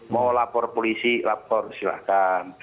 mau lapor polisi lapor silahkan